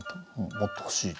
もっと欲しい。